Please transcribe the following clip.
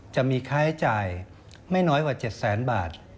จะมีค่าใช้จ่ายไม่น้อยกว่า๗แสนบาท